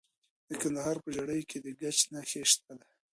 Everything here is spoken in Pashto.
د کندهار په ژیړۍ کې د ګچ نښې شته.